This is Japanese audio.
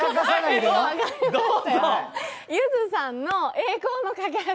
ゆずさんの「栄光の架橋」。